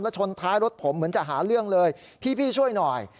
ชนท้ายรถผมเหมือนจะหาเรื่องเลยพี่ช่วยหน่อย